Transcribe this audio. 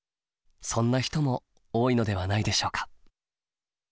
そんな人も多いのではないでしょうか？